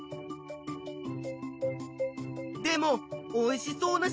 でもおいしそうな調べ方。